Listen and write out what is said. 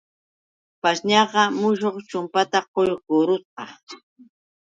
Pashñaqa muchuq chumpata quykurusqa.